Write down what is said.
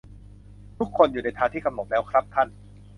ทุกคนอยู่ในทางที่กำหนดแล้วครับท่าน